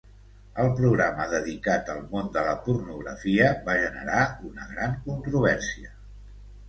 El programa dedicat al món de la pornografia va generar una gran controvèrsia.